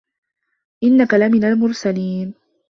إِنَّكَ لَمِنَ المُرسَلينَ